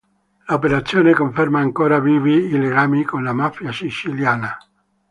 L'operazione conferma ancora vivi i legami con la mafia siciliana.